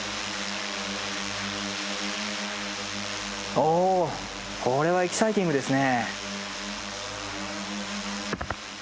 おおこれはエキサイティングですね。